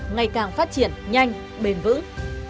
ngày càng phát triển nhanh bền vững